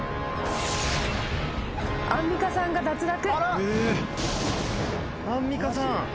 アンミカさんが脱落。